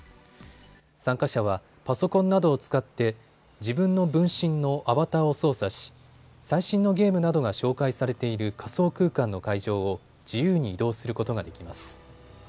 参加者はパソコンなどを使って自分の分身のアバターを操作し最新のゲームなどが紹介されている仮想空間の会場を自由に移動することができます。